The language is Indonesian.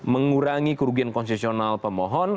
mengurangi kerugian konsesional pemohon